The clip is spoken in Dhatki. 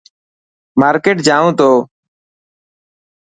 مارڪيٽ جائون تو.